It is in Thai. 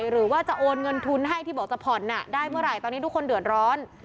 หรือว่าจะโอนเงินทุนให้ที่บอกจะผ่อนได้เมื่อไหร่ตอนนี้ทุกคนเดือดร้อน